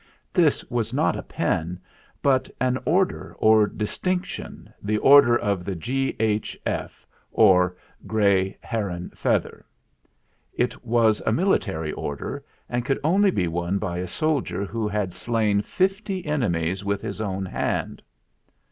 This was not a pen, but an order or distinction the order of the G.H.F. 24 THE FLINT HEART or Grey Heron Feather. It was a military order, and could only be won by a soldier who had slain fifty enemies with his own hand.